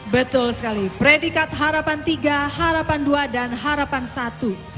betul sekali predikat harapan tiga harapan dua dan harapan satu